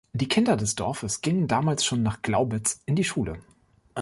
Die Kinder des Dorfes gingen damals schon nach Glaubitz in die Schule.